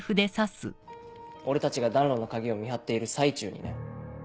俺たちが暖炉の鍵を見張っている最中にね。